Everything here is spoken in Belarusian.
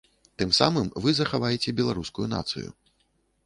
Тым самым вы захаваеце беларускую нацыю.